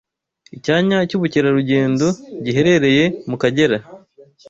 Icyanya cy’ ubukerarugendo giherereye mu Akagera